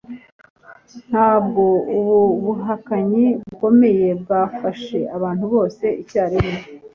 Ntabwo ubu buhakanyi bukomeye bwafashe abantu bose icyarimwe